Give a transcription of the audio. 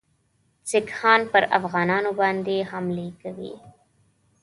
سیکهان پر افغانانو باندي حملې کوي.